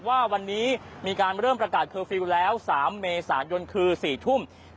ว่าวันนี้มีการเริ่มประกาศแล้วสามเมษายนคือสี่ทุ่ม